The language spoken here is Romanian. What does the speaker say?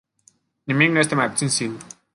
Nimic nu este mai puțin sigur.